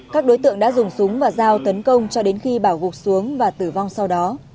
các đối tượng đã dùng súng và dao tấn công cho đến khi bảo gục xuống và tử vong sau đó